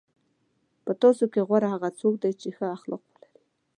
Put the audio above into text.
په تاسو کې غوره هغه څوک دی چې ښه اخلاق ولري.